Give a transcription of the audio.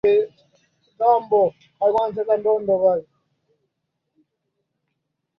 Rest Krystof Slza Atmo Music Helena Vondrackova kutoka jamhuri ya Czech